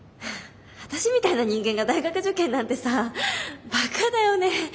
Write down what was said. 私みたいな人間が大学受験なんてさバカだよね。